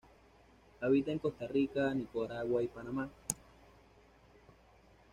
Habita en Costa Rica, Nicaragua y Panamá.